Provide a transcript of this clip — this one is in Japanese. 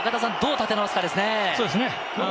立て直すかですね。